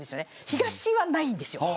東はないんですよ。